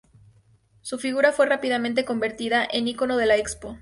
Su figura fue rápidamente convertida en icono de la Expo.